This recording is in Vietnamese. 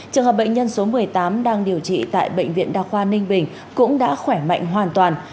trường hợp bệnh nhân số một mươi tám đang điều trị tại bệnh viện đa khoa ninh bình cũng đã khỏe mạnh hoàn toàn